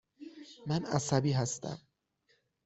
من عصبی هستم.